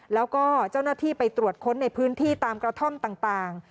แล้วก็เจ้าหน้าที่ไปตรวจค้นในพื้นที่ตามกระท่อมต่าง